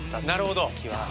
なるほど。